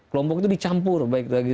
kelompok itu dicampur baik lagi